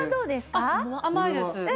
甘いです。